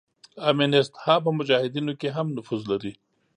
امینست ها په مجاهدینو کې هم نفوذ لري.